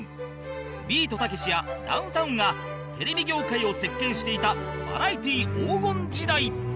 ビートたけしやダウンタウンがテレビ業界を席巻していたバラエティ黄金時代